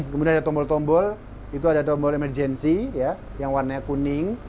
kemudian ada tombol tombol itu ada tombol emergency yang warna kuning